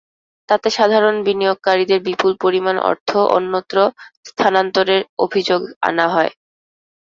তাতে সাধারণ বিনিয়োগকারীদের বিপুল পরিমাণ অর্থ অন্যত্র স্থানান্তরের অভিযোগ আনা হয়।